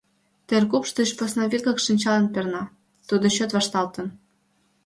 Теркупш деч посна вигак шинчалан перна: тудо чот вашталтын.